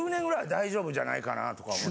じゃないかなとか思って。